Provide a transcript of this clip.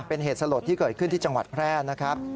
เป็นเหตุสลดที่เกิดขึ้นที่จังหวัดแพร่นะครับ